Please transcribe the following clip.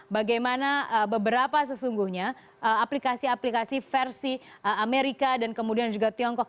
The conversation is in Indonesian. bagaimana beberapa sesungguhnya aplikasi aplikasi versi amerika dan kemudian juga tiongkok